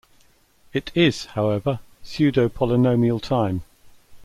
It "is", however, pseudo-polynomial time.